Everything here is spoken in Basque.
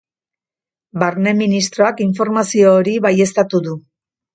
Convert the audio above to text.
Barne ministroak informazio hori baieztatu du.